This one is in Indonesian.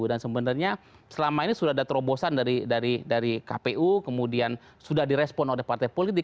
dan sebenarnya selama ini sudah ada terobosan dari dari dari kpu kemudian sudah direspon oleh partai politik